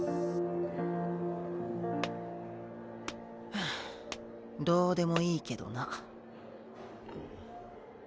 はっどでもいいけどな。